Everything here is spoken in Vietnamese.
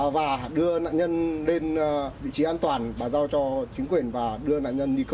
và đưa nạn nhân lên vị trí an toàn bàn giao cho chính quyền và đưa nạn nhân đi cấp cứu